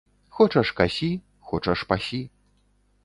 Хочаш касі, хочаш пасі.